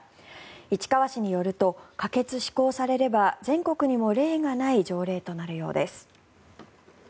市川市によると可決・施行されれば全国にも例がない条例となるようです。